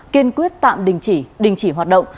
kiên quyết tạm đình chỉ đình chỉ hoạt động